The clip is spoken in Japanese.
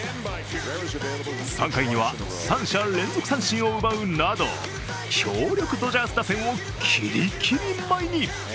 ３回には３者連続三振を奪うなど強力ドジャース打線をきりきり舞いに。